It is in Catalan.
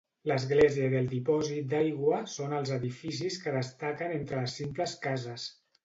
L'església i el dipòsit d'aigua són els edificis que destaquen entre les simples cases.